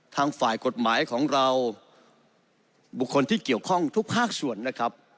ทางฝ่ายกฎหมายของเราบุคคลที่เกี่ยวข้องทุกภาคส่วนนะครับ